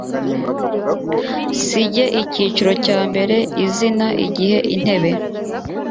si ge icyiciro cya mbere izina igihe intebe